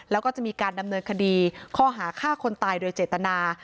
แล้วก็จะมีการดำเนินคดีข้อหาฆ่าคนตายโดยเจตนา